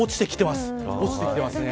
落ちてきています。